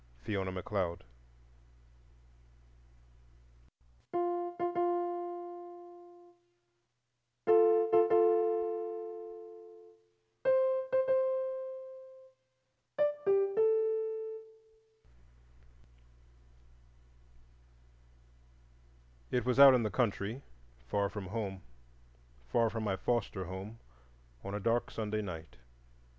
FIONA MACLEOD. It was out in the country, far from home, far from my foster home, on a dark Sunday night.